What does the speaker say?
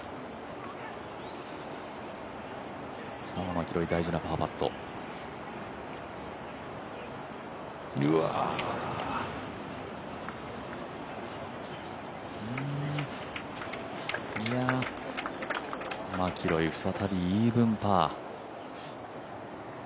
マキロイ、大事なパーパットマキロイ、再びイーブンパー。